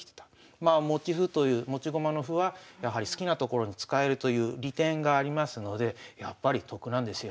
まあ持ち歩という持ち駒の歩はやはり好きな所に使えるという利点がありますのでやっぱり得なんですよ。